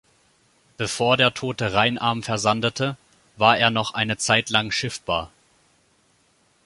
Bevor der tote Rheinarm versandete, war er noch eine Zeitlang schiffbar.